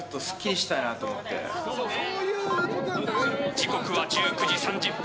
時刻は１９時３０分。